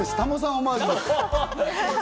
オマージュ。